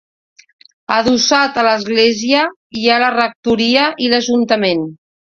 Adossat a l'església hi ha la rectoria i l'Ajuntament.